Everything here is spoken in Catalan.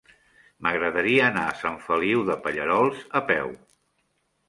M'agradaria anar a Sant Feliu de Pallerols a peu.